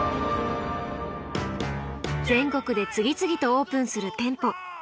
全国で次々とオープンする店舗。